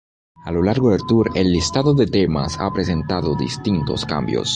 A lo largo del Tour, el listado de temas ha presentado distintos cambios.